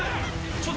ちょっと。